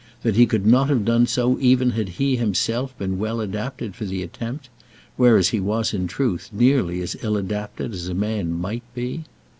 that he could not have done so even had he himself been well adapted for the attempt, whereas he was in truth nearly as ill adapted as a man might be?